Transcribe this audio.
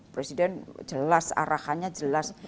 presiden jelas arahannya jelas